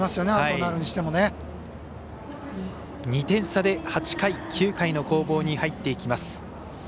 ２点差で８回、９回の攻防に入っていきます。